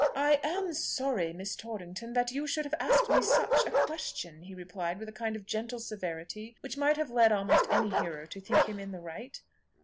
"I am sorry, Miss Torrington, that you should have asked me such a question," he replied with a kind of gentle severity which might have led almost any hearer to think him in the right.